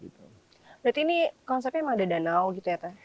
berarti ini konsepnya memang ada danau gitu ya teh